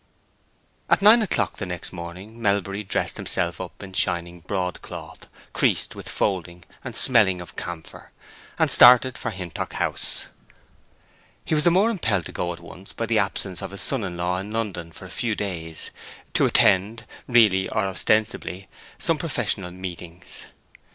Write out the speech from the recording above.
At nine o'clock the next morning Melbury dressed himself up in shining broadcloth, creased with folding and smelling of camphor, and started for Hintock House. He was the more impelled to go at once by the absence of his son in law in London for a few days, to attend, really or ostensibly, some professional meetings.